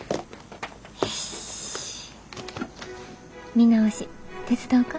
見直し手伝おか？